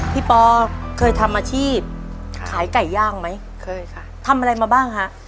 ปอเคยทำอาชีพขายไก่ย่างไหมเคยค่ะทำอะไรมาบ้างฮะ